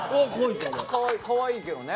かわいいけどね。